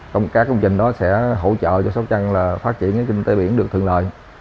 các công trình đó sẽ hỗ trợ cho sóc trăng phát triển kinh tế biển được thượng lợi